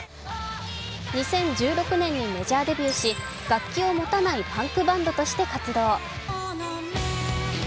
２０１６年にメジャーデビューし、楽器を持たないパンクバンドとして活動。